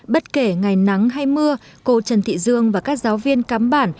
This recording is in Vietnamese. bất kể ngày nắng hay mưa cô trần thị dương và các giáo viên cắm bản